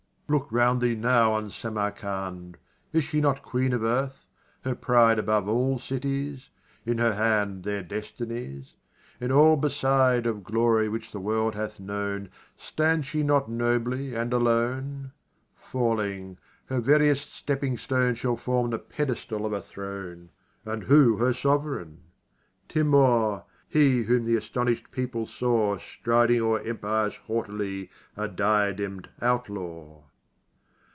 Look 'round thee now on Samarcand! Is not she queen of Earth? her pride Above all cities? in her hand Their destinies? in all beside Of glory which the world hath known Stands she not nobly and alone? Falling her veriest stepping stone Shall form the pedestal of a throne And who her sovereign? Timour he Whom the astonished people saw Striding o'er empires haughtily A diadem'd outlaw!